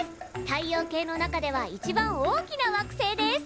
太陽系の中では一番大きな惑星です。